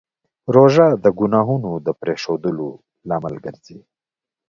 روژه د ګناهونو د پرېښودو لامل ګرځي.